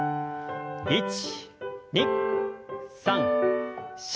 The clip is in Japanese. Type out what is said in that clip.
１２３４。